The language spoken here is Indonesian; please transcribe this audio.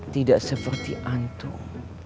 tidak seperti antum